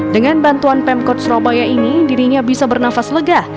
dengan bantuan pemkot surabaya ini dirinya bisa bernafas lega